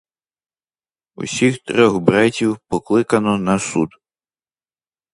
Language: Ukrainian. Усіх трьох братів покликано на суд.